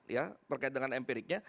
ya terkait dengan empiriknya